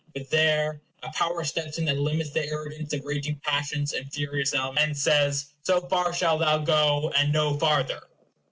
But there a power steps in that limits the arrogance of raging passions and furious elements, and says, SO FAR SHALL THOU GO, AND NO FARTHER.